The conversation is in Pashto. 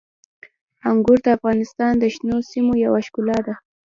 انګور د افغانستان د شنو سیمو یوه ښکلا ده.